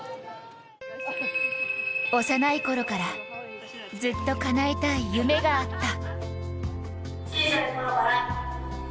幼いころからずっとかなえたい夢があった。